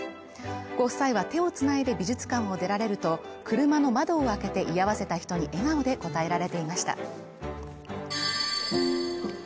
ご夫妻は手を繋いで美術館を出られると、車の窓を開けて居合わせた人に笑顔で応えられていました。